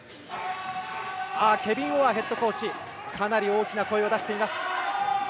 ケビン・オアーヘッドコーチがかなり大きな声を出しています。